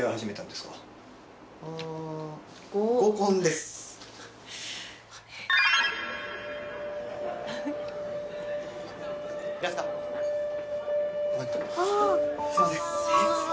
すみません。